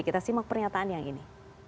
kita simak pernyataan yang ini